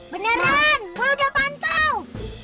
beneran gua udah pantau